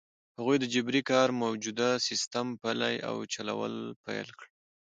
هغوی د جبري کار موجوده سیستم پلی او چلول پیل کړ.